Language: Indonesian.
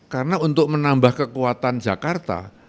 karena untuk menambah kekuatan jakarta